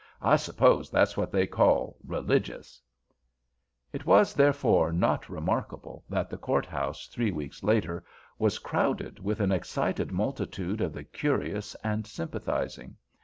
"I suppose that's what they call religious." It was therefore not remarkable that the courthouse three weeks later was crowded with an excited multitude of the curious and sympathizing.